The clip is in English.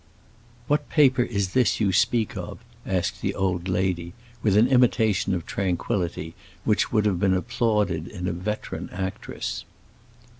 "What paper is this you speak of?" asked the old lady, with an imitation of tranquillity which would have been applauded in a veteran actress.